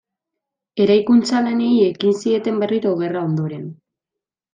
Eraikuntza-lanei ekin zieten berriro gerra ondoren.